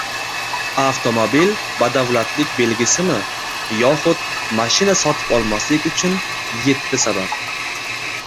Avtomobil badavlatlik belgisimi? Yoxud mashina sotib olmaslik uchun yetti sabab